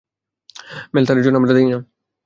Mail, তার জন্য আমরা দায়ী না।